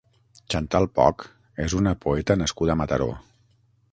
Chantal Poch és una poeta nascuda a Mataró.